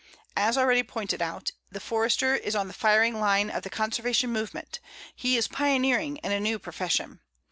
As already pointed out, the Forester is on the firing line of the conservation movement; he is pioneering in a new profession.